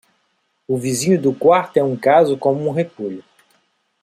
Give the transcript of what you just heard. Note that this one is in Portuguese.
O vizinho do quarto é um caso como um repolho.